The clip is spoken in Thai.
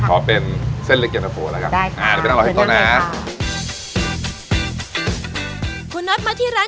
ขอเป็นเส้นลักยะเตอร์โฟ